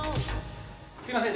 すみません。